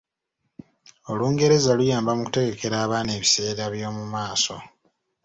Olungereza luyamba mu kutegekera abaana ebiseera eby'omu maaso.